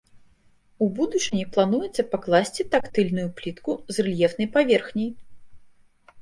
У будучыні плануецца пакласці тактыльную плітку з рэльефнай паверхняй.